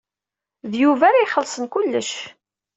D Yuba ara ixellṣen kullec.